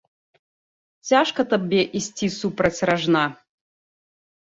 Цяжка табе ісці супраць ражна.